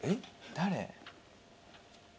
誰？